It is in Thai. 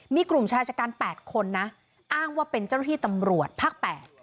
มีกลุ่มชายชะกัน๘คนนะอ้างว่าเป็นเจ้าหน้าที่ตำรวจภาค๘